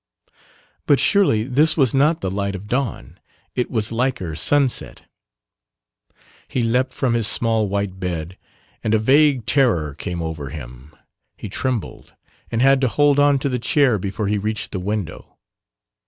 But surely this was not the light of dawn; it was like sunset! He leapt from his small white bed, and a vague terror came over him, he trembled and had to hold on to the chair before he reached the window.